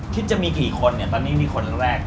คิดจะมีกี่คนเนี่ยตอนนี้มีคนแรก